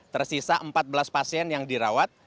tersisa empat belas pasien yang dirawat